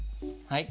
はい。